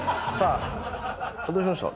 どうしました？